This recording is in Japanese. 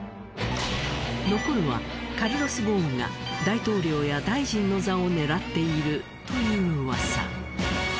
残るはカルロス・ゴーンが大統領や大臣の座を狙っているという噂。